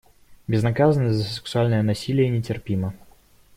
Безнаказанность за сексуальное насилие нетерпима.